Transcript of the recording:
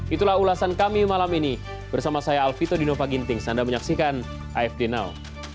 itulah ulasan kami malam ini bersama saya alfito dino paginting standar menyaksikan afd now